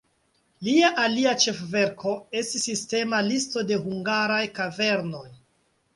Lia alia ĉefverko estis sistema listo de hungaraj kavernoj.